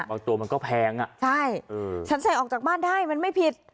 ตัวมันก็แพงอ่ะใช่ฉันใส่ออกจากบ้านได้มันไม่ผิด